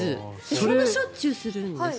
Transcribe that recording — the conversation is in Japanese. そんなにしょっちゅうするんですか？